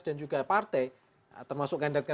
dan juga partai termasuk ganda